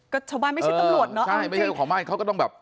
ก็ชาวบ้านไม่ใช่ตำรวจเนอะเอาจริง